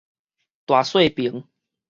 大細爿